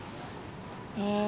へえ！